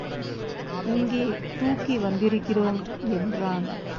இங்கே தூக்கி வந்திருக்கிறோம் என்றான்.